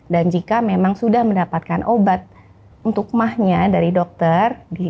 dan jika memang sudah mendapatkan obat untuk ma nya dari dokter